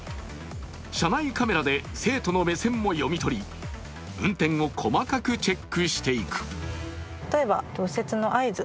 車内カメラで生徒の目線も読み取り運転を細かくチェックしていく。